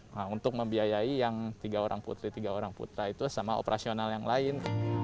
nah untuk membiayai yang tiga orang putri tiga orang putra itu sama operasional yang lain